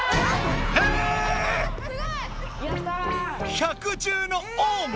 百獣の王も？